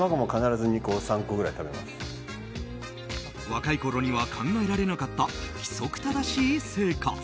若いころには考えられなかった規則正しい生活。